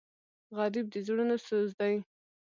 غریب د زړونو سوز دی